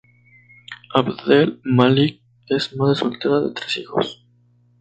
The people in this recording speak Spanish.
Abdel Malick es madre soltera de tres hijos.